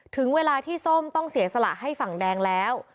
ถึงเวลาที่ส้มต้องเสียสละให้ฝั่งแดงแล้ว